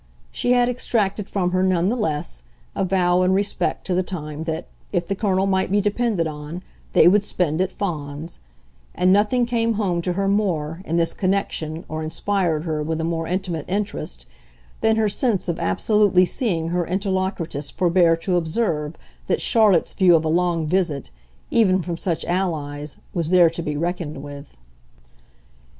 She had extracted from her, none the less, a vow in respect to the time that, if the Colonel might be depended on, they would spend at Fawns; and nothing came home to her more, in this connection, or inspired her with a more intimate interest, than her sense of absolutely seeing her interlocutress forbear to observe that Charlotte's view of a long visit, even from such allies, was there to be reckoned with.